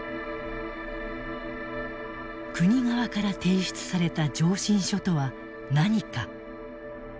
国側から提出された上申書とは何か？